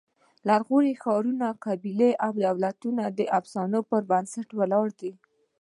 لرغوني ښارونه، قبیلې او دولتونه د افسانو پر بنسټ ولاړ دي.